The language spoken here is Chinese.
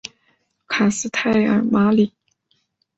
卡斯泰尔马里。